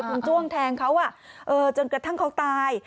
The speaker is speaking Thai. คุณจ้วงแทงเขาจนกระทั่งเขาตาย